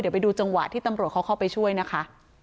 เดี๋ยวไปดูจังหวะที่ตำรวจเขาเข้าไปช่วยนะคะ